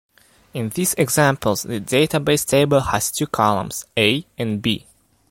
In these examples, the database table has two columns, A and B.